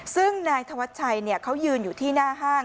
ซึ่งนายธวัชชัยเขายืนอยู่ที่หน้าห้าง